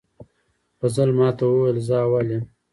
فضل ماته وویل زه اول یم